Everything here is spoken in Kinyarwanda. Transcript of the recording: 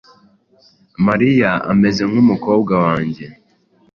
Mariya ameze nkumukobwa wanjye.